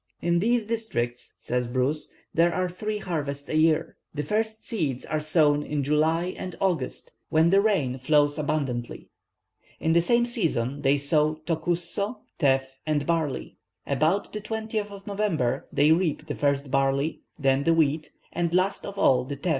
"In these districts," says Bruce, "there are three harvests a year. The first seeds are sown in July and August, when the rain flows abundantly. In the same season they sow 'tocusso,' 'teff,' and barley. About the 20th of November they reap the first barley, then the wheat, and last of all the 'teff.'